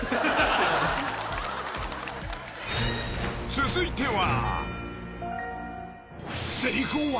［続いては］